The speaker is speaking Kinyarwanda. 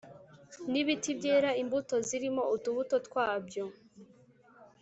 n’ibiti byera imbuto zirimo utubuto twabyo